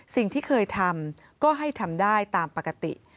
สิ่งที่เคยทำก็ให้ทำได้ตามปกติ